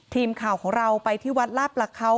ทีมข่าวของเราไปที่วัดลาบประเขา